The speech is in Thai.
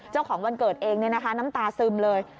เจ้าของวันเกิดเองนี่นะคะน้ำตาซึมเลย